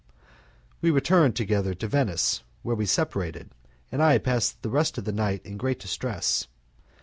We returned together to Venice, where we separated, and I passed the rest of the night in great distress.